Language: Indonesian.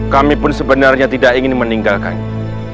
kami pun sebenarnya tidak ingin meninggalkannya